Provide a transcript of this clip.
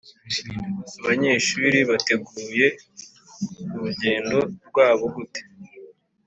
abanyeshuri bateguye urugendo rwabo gute?